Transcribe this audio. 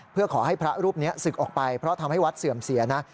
เพื่อขอให้พระรูปนี้ศึกออกไปเพราะทำให้วัดเสื่อมเสียนะ